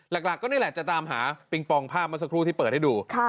หลักก็นี่แหละจะตามหาปิงปองภาพเมื่อสักครู่ที่เปิดให้ดู